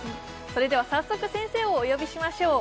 それでは早速先生をお呼びしましょう